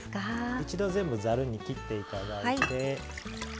一度全部ざるにきって頂いて。